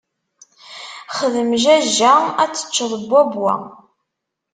Xdem jajja, ad tteččeḍ bwabbwa!